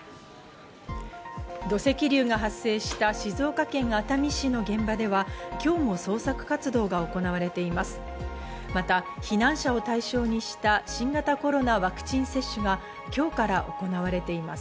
土石流が発生した静岡県熱海市の現場では今日も捜索活動が行われています。